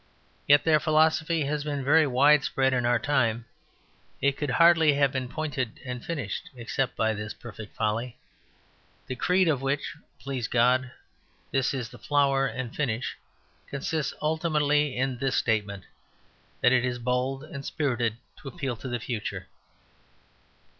Yet their philosophy has been very widespread in our time; it could hardly have been pointed and finished except by this perfect folly. The creed of which (please God) this is the flower and finish consists ultimately in this statement: that it is bold and spirited to appeal to the future.